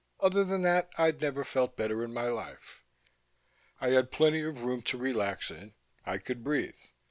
Other than that I'd never felt better in my life. I had plenty of room to relax in, I could breathe.